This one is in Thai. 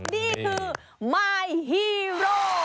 นี่คือมายฮีโร่